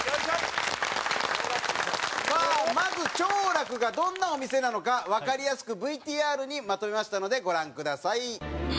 さあまず兆楽がどんなお店なのかわかりやすくＶＴＲにまとめましたのでご覧ください。